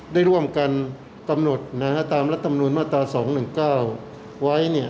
ได้ร่วมกันกำหนดนะฮะตามละตำนูนมาตรา๒๑๙ไว้เนี่ย